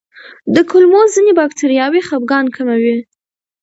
د کولمو ځینې بکتریاوې خپګان کموي.